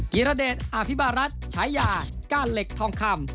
ีรเดชอภิบารัฐฉายาก้านเหล็กทองคำ